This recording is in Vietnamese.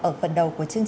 ở phần đầu của trường hợp